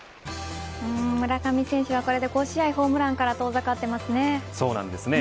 村上選手は、これで５試合ホームランから遠ざかっていますね。